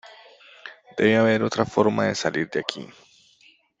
Debe haber otra forma de salir de aquí.